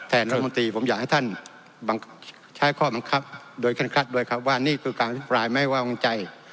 รัฐมนตรีผมอยากให้ท่านใช้ข้อบังคับโดยเคร่งครัดด้วยครับว่านี่คือการอภิปรายไม่ไว้วางใจ